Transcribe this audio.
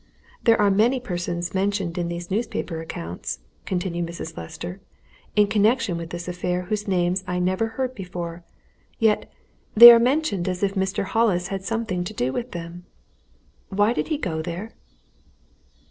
There are many persons mentioned in these newspaper accounts," continued Mrs. Lester, "in connection with this affair whose names I never heard before yet they are mentioned as if Mr. Hollis had something to do with them. Why did he go there?"